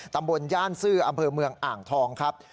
ตำบลย่านซื่ออำเภอเมืองอ่างทองครับ